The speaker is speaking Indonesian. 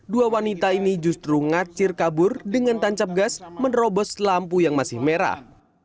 dua wanita ini justru ngacir kabur dengan tancap gas menerobos lampu yang masih merah